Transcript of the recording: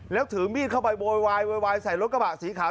แล้วถือมีดเข้าไปโบวายใส่รถกระบะสีขาว